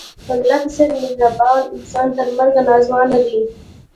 د انیلا په څېر مهربان انسان ته مرګ ناځوانه دی